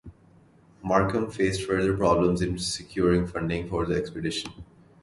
Markham faced further problems in securing funding for the expedition.